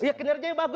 iya kinerjanya bagus